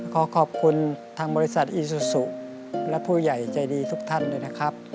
ขอขอบคุณทางบริษัทอีซูซูและผู้ใหญ่ใจดีทุกท่านด้วยนะครับ